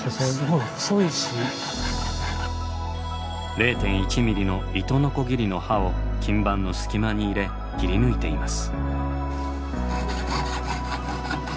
０．１ｍｍの糸のこぎりの刃を金盤の隙間に入れ切り抜いています。